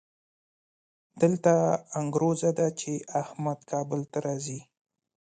دلته انګروزه ده چې احمد کابل ته راځي.